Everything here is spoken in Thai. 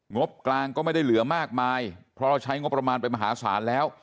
งบกลางก็ไม่ได้เหลือมากมายเพราะเราใช้งบประมาณไปมหาศาลแล้ว